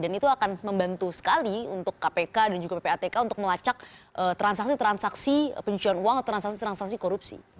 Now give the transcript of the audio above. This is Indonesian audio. dan itu akan membantu sekali untuk kpk dan juga ppatk untuk melacak transaksi transaksi penyusuan uang atau transaksi transaksi korupsi